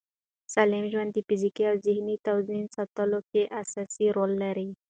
سالم ژوند د فزیکي او ذهني توازن ساتلو کې اساسي رول لري.